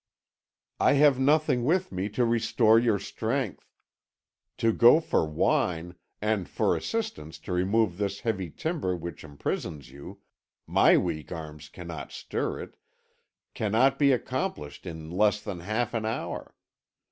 "I have nothing with me to restore your strength. To go for wine, and for assistance to remove this heavy timber which imprisons you my weak arms cannot stir it cannot be accomplished in less than half an hour.